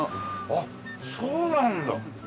あっそうなんだ。